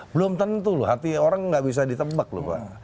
belum tentu loh hati orang nggak bisa ditebak lho pak